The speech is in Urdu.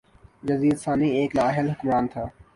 یزید ثانی ایک نااہل حکمران تھا